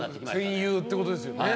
戦友ってことですよね。